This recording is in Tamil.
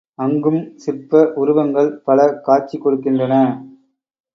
அங்கும் சிற்ப உருவங்கள் பல காட்சி கொடுக்கின்றன.